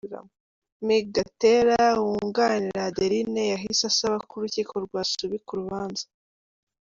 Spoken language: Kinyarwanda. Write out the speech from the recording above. Me Gatera wunganira Adeline yahise asaba ko urukiko rwasubika urubanza.